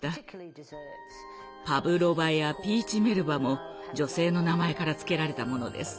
パブロバやピーチメルバも女性の名前から付けられたものです。